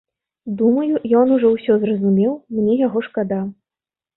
Думаю, ён ужо ўсё зразумеў, мне яго шкада.